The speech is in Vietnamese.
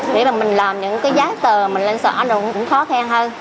để mà mình làm những cái giá tờ mình lên xóa nó cũng khó khen hơn